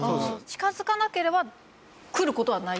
近づかなければ来る事はない？